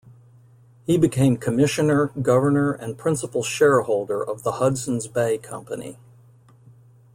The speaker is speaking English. He became commissioner, governor and principal shareholder of the Hudson's Bay Company.